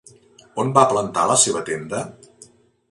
On va plantar la seva tenda?